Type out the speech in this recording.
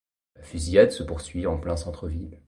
La fusillade se poursuit en plein centre-ville.